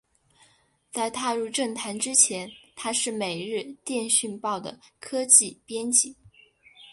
在踏入政坛之前他是每日电讯报的科技编辑。